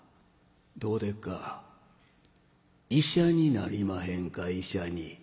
どうでっか医者になりまへんか医者に。